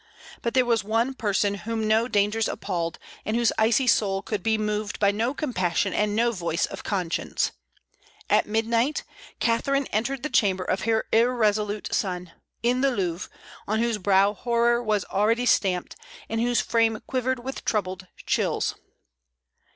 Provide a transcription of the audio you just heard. But there was one person whom no dangers appalled, and whose icy soul could be moved by no compassion and no voice of conscience. At midnight, Catherine entered the chamber of her irresolute son, in the Louvre, on whose brow horror was already stamped, and whose frame quivered with troubled chills.